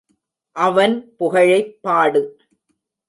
அவன் புகழைப் பாடு.